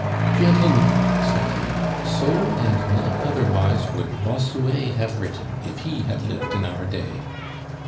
"Gentlemen," said he, "so and not otherwise would Bossuet have written if he had lived in our day."